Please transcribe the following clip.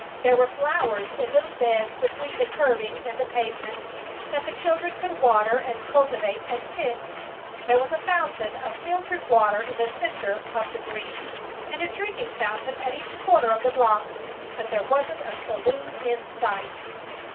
There were flowers in little beds between the curbing and the pavement, that the children could water and cultivate and pick. There was a fountain of filtered water in the center of the green, and a drinking fountain at each corner of the block, but there wasn't a saloon in sight!